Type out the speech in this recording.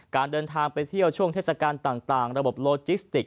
การเดินทางไปเที่ยวช่วงเทศกาลต่างระบบโลจิสติก